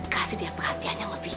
kasih dia perhatian yang lebih